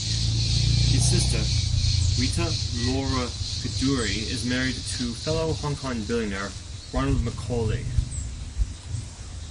His sister Rita Laura Kadoorie is married to fellow Hong Kong billionaire Ronald McAulay.